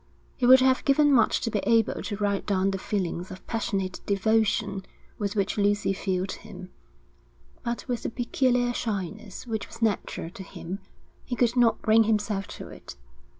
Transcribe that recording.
He would have given much to be able to write down the feelings of passionate devotion with which Lucy filled him, but with the peculiar shyness which was natural to him, he could not bring himself to it.